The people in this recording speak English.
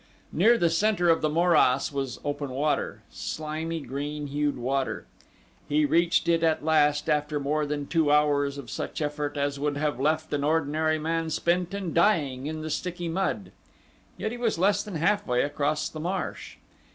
Near the center of the morass was open water slimy, green hued water. He reached it at last after more than two hours of such effort as would have left an ordinary man spent and dying in the sticky mud, yet he was less than halfway across the marsh.